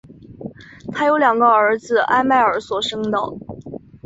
她有两个儿子艾麦尔所生的。